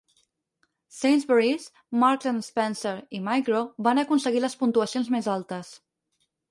Sainsburys, Marks and Spencer i Migro van aconseguir les puntuacions més altes.